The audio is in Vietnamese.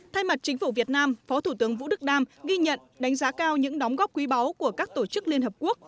thay mặt chính phủ việt nam phó thủ tướng vũ đức đam ghi nhận đánh giá cao những đóng góp quý báu của các tổ chức liên hợp quốc